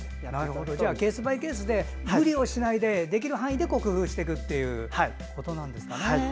ケースバイケースで無理をしないでできる範囲で工夫していくということですね。